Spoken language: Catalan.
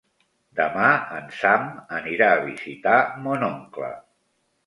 Demà en Sam anirà a visitar mon oncle.